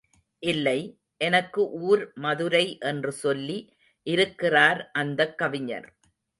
இல்லை, எனக்கு ஊர் மதுரை என்று சொல்லி இருக்கிறார் அந்தக் கவிஞர்.